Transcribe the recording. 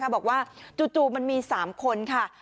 บอกว่าจู่มันมี๓คนค่ะ